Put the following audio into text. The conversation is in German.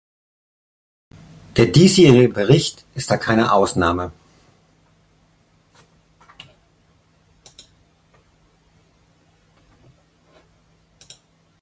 Der diesjährige Bericht ist da keine Ausnahme.